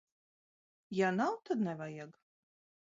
Ja nav, tad nevajag.